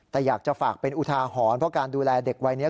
แต่อยากจะฝากเป็นอุทาหรณ์เพราะการดูแลเด็กวัยนี้